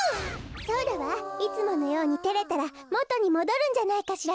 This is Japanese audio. そうだわいつものようにてれたらもとにもどるんじゃないかしら？